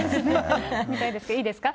見たいですけど、いいですか？